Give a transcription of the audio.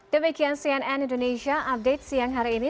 demikian cnn indonesia update siang hari ini